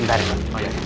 ntar ini pak